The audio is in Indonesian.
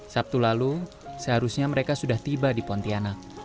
sabtu lalu seharusnya mereka sudah tiba di pontianak